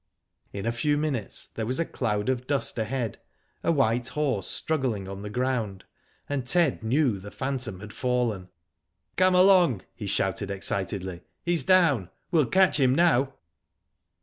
In a few minutes there was a cloud of dust ahead, a white horse struggling on the ground, and Ted knew the phantom had fallen. Come along!" he shouted, excitedly, "he's down. We'll catch him now."